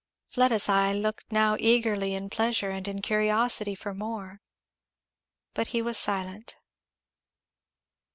Fleda's eye looked now eagerly in pleasure and in curiosity for more. But he was silent.